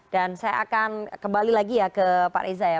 dan saya akan kembali lagi ya ke pak reza ya